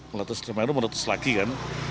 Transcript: meletus semeru meletus lagi kan